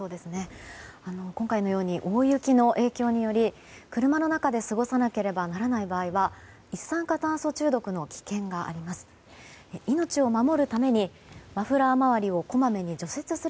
今回のように大雪の影響により車の中で過ごさなければならない場合は一酸化炭素中毒の危険があります。